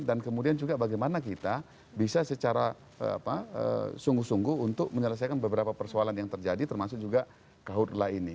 dan kemudian juga bagaimana kita bisa secara apa sungguh sungguh untuk menyelesaikan beberapa persoalan yang terjadi termasuk juga kahurla ini